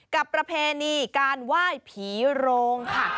ประเพณีการไหว้ผีโรงค่ะ